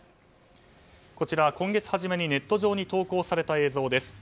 こちら、今月初めにネット上に投稿された映像です。